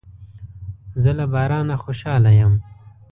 زه له بارانه خوشاله یم.